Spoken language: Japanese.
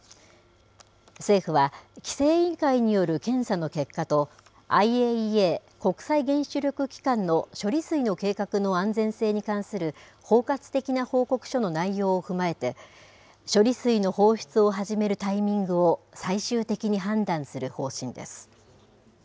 政府は、規制委員会による検査の結果と、ＩＡＥＡ・国際原子力機関の処理水の計画の安全性に関する包括的な報告書の内容を踏まえて、処理水の放出を始めるタイミングを最終的に判断する方針です。